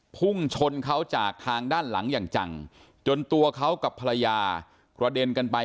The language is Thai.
พุ่งชนเขาจากทางด้านหลังอย่างจังจนตัวเขากับภรรยากระเด็นกันไป